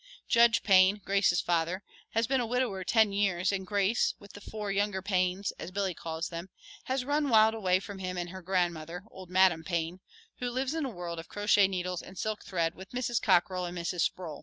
Judge Payne, Grace's father, has been a widower ten years and Grace, with the four younger "pains," as Billy calls them, has run wild away from him and her grandmother, old Madam Payne, who lives in a world of crochet needles and silk thread with Mrs. Cockrell and Mrs. Sproul.